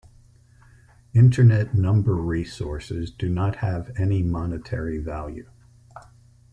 Internet number resources do not have any monetary value.